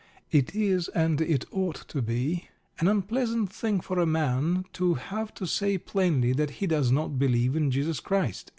It is, and it ought to be, an unpleasant thing for a man to have to say plainly that he does not believe in Jesus Christ."